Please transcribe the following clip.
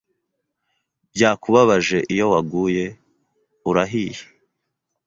"Byakubabaje iyo waguye?" "Urahiye."